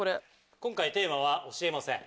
今回テーマは教えません。